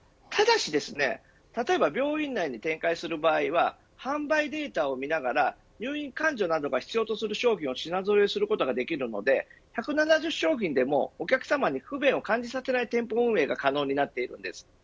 例えば、病院内に展開する場合は販売データを見ながら入院患者などが必要とする商品を品ぞろえすることができるので１７０商品でもお客さまに不便を感じさせない店舗運営が可能になっています。